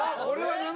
これは？